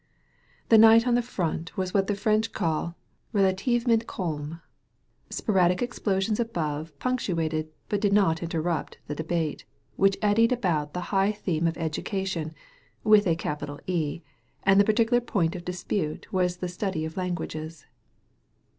The night on the front was what the French call '^rda ^,/^v tivement calme. Sporadic explosions above punc '. tuated but did not interrupt the debate, which eddied about the high theme of Education — with a capital ''E'' — ^and the particular point of dispute was the study of languages.